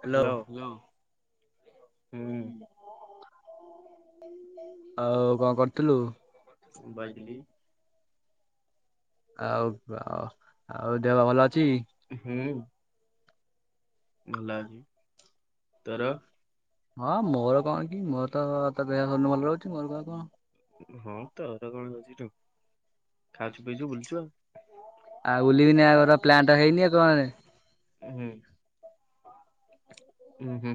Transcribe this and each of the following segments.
Hello. ଆଉ କଣ କରୁଥିଲୁ? ଆଉ ଆଉ ଆଉ ଦେହପା ଭଲ ଅଛି? ହଁ ମୋର କଣ କି ମୋର ତ [unintelligible] ହଁ ତୋର କଣ ଯାଉଛି, ଖାଉଛୁ ପିଉଛୁ ବୁଲୁଛୁ ଆଉ। ବୁଲିବିନି ଆଉ କଣ ଡ୍ୟାନ୍ସ କରିବି ଆଉ। ଉଁ ହୁଁ।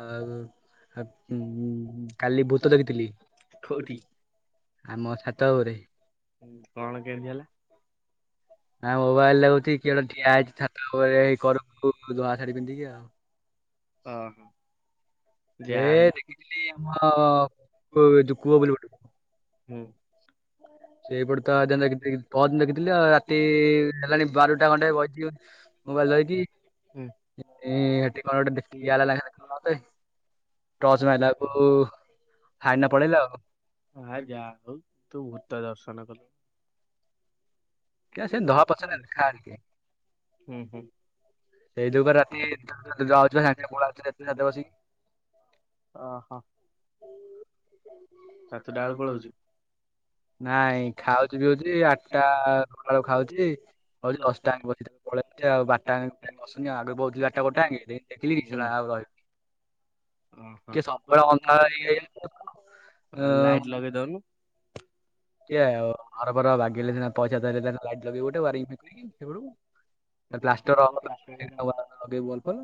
ଆଉ କାଲି ଭୂତ ଦେଖିଥିଲି। କୋଉଠି? ଆମ ଛାତ ଉପରେ। ନାଁ ମୋବାଇଲ ଲାଗୁଛି କିଏ ଗୋଟେ ଠିଆ ହେଇଛି ଛାତ ଉପରେ ହେଇ କରକୁ ଧଳା ଶାଢୀ ପିନ୍ଧିକି ଆଉ। ଯାହାକୁ ଦେଖିଛି ସିଏ ଆମ ହୁଁ। [unintelligible] [unintelligible] ଟର୍ଚ୍ଚ ମାଇଲାବେଳକୁ ସାଇଁ କିନା ପଳେଇଲା ଆଉ। ତୁ ଭୂତ ଦର୍ଶନ କଲୁ। [unintelligible] [inaudible] ଅ ହ। ସାତଟା ବେଳୁ ପଳଉଛି। ନାଇଁ ଆସୁଛି ଆଠଟା ନଅଟା ବେଳକୁ ଖାଉଛି। [unintelligible] [inaudible] ଲାଇଟ୍ ଲଗେଇ ଦଉନୁ। କିଏ ଆର ଘର ଭାଙ୍ଗିଗଲେ ସିନା ପଇସା ଫଇସା ଦେଲେ ସିନା ଲାଇଟ୍ ଲଗେଇବି ଗୋଟେ ୱାରିଂ ସେଠି ନେଇକି ସେପଟକୁ। ପ୍ଲାଷ୍ଟର ହବ, ପ୍ଲାଷ୍ଟର ହେଇନି।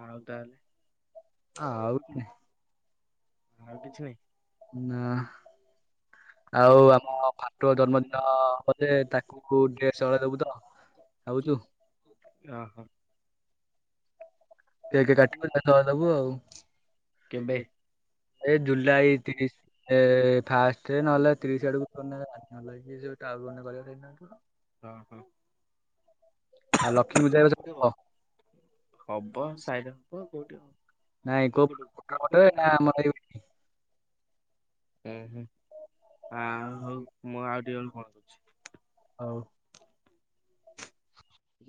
ଆଉ ତାହେଲେ ଆଉ କିଛି ନହିଁ। ନାଁ। ହ। ଆଉ ଆମ ପାଟ ଜନ୍ମଦିନ ବୋଲେ ତାକୁ ଡ୍ରେସ୍ ହଳେ ଦେବୁ ତ? ଖାଉଛୁ? ଅ ହଁ। କେକେ କାଟିବୁ। ଏଇ ଜୁଲାଇ ତିରିଶ। ଏ ଫାଷ୍ଟ ନହେଲେ ତିରିଶ ଆଡକୁ ଅ ହଁ। [inaudible] ନାଇଁ କୋଉ ପଟକୁ? ଉଁ ହୁଁ ଆଉ, ମୁଁ ଆଉ ଟିକେ ଗଲେ କଲ୍ କରୁଛି। ହଉ।